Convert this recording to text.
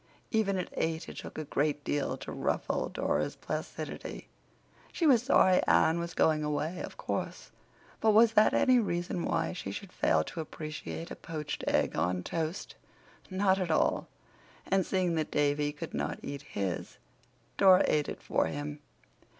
Even at eight it took a great deal to ruffle Dora's placidity. She was sorry Anne was going away, of course, but was that any reason why she should fail to appreciate a poached egg on toast? Not at all. And, seeing that Davy could not eat his, Dora ate it for him.